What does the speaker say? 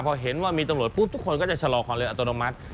พอเห็นว่ามีตำรวจปุ๊บทุกคนก็จะชะลอความเร็วอัตโนมัติ